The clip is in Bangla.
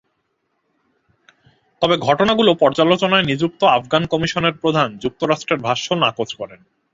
তবে ঘটনাগুলো পর্যালোচনায় নিযুক্ত আফগান কমিশনের প্রধান যুক্তরাষ্ট্রের ভাষ্য নাকচ করেন।